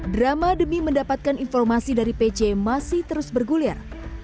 drama demi mendapatkan informasi dari pc masih terus bergulir